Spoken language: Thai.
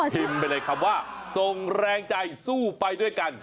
พิมพ์เป็นในคำว่าส่งแรงใจสู้ไปด้วยกัน